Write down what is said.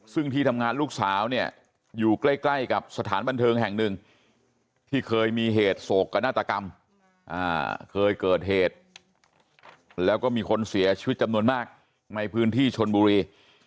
ซึ่งที่ทำงานลูกสาวเนี่ยอยู่ใกล้กับสถานบันเทิงแห่งหนึ่งที่เคยมีเหตุโศกนาฏกรรมเคยเกิดเหตุแล้วก็มีคนเสียชีวิตจำนวนมากในพื้นที่ชนบุรี